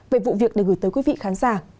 về vụ việc để gửi tới quý vị khán giả